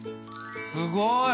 すごい。